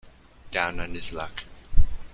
Down on his luck.